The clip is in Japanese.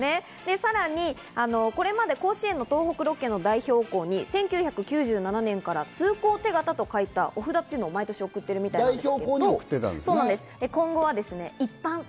さらにこれまで甲子園の東北６県の代表校に１９９７年から通行手形と書いた御札を毎年送っているみたいで。